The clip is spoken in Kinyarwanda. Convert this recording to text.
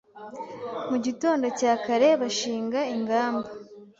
Mu gitondo cya kare bashinga ingamba